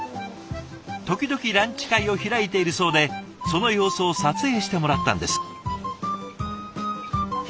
時々ランチ会を開いているそうでその様子を撮影してもらったんです。